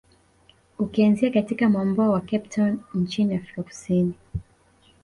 Ukianzia katika mwambao wa Cape Town nchini Afrika kusini